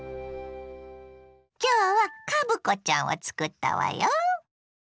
今日はカブコちゃんをつくったわよ。